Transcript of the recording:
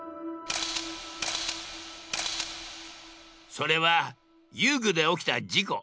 それは遊具で起きた事故。